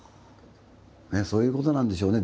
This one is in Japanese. そういうことなんでしょうね